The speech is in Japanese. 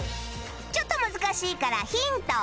ちょっと難しいからヒント